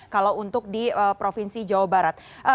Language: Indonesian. kalau untuk di provinsi jawa barat